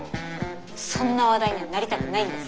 そんな話題にはなりたくないんです。